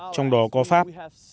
trong đó có pháp